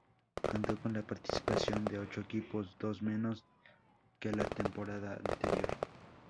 Contó con la participación de ocho equipos, dos menos que la temporada anterior.